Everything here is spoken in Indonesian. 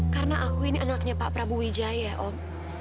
karena aku ini anaknya pak prabu wijaya om